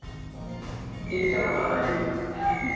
言っちゃうことはない。